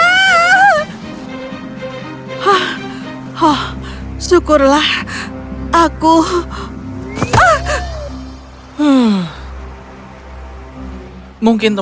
ayo potem kita berdua akan menungguddaduk